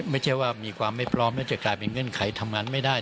ไม่ใช่ว่ามีความไม่พร้อมแล้วจะกลายเป็นเงื่อนไขทำงานไม่ได้